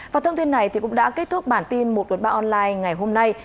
và thông tin này cũng đã kết thúc bản tin một ba online ngày hôm nay